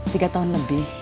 tiga tahun lebih